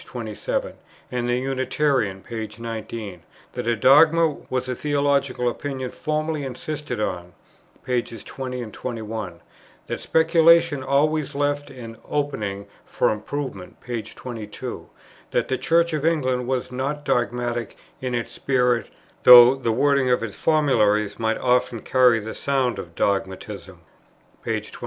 27, and the Unitarian, p. 19; that a dogma was a theological opinion formally insisted on, pp. 20, 21; that speculation always left an opening for improvement, p. 22; that the Church of England was not dogmatic in its spirit, though the wording of its formularies might often carry the sound of dogmatism, p. 23.